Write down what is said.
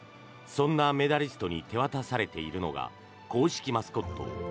そんなメダリストに手渡されているのが公式マスコット